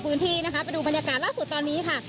พื้นที่นะคะไปดูบรรยากาศล่าสุดตอนนี้ค่ะ